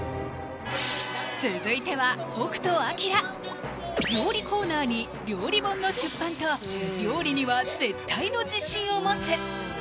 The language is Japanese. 続いては北斗晶料理コーナーに料理本の出版と料理には絶対の自信を持つ！